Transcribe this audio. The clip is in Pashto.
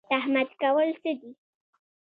تهمت کول څه دي؟